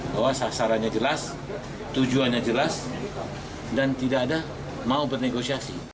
bahwa sasarannya jelas tujuannya jelas dan tidak ada mau bernegosiasi